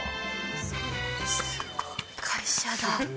すごい会社だ。